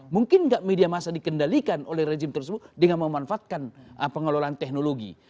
mungkin nggak media masa dikendalikan oleh rejim tersebut dengan memanfaatkan pengelolaan teknologi